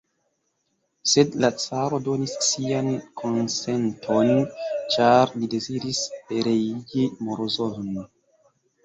Sed la caro donis sian konsenton, ĉar li deziris pereigi Morozov'n.